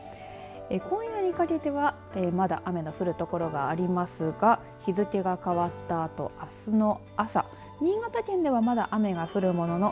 今夜にかけてはまだ雨の降る所がありますが日付が変わったあと、あすの朝新潟県では、まだ雨が降るものの